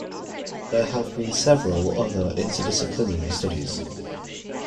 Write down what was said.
There have been several other interdisciplinary studies.